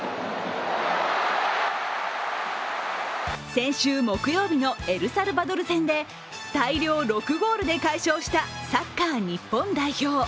先週木曜日のエルサルバドル戦で大量６ゴールで快勝したサッカー日本代表。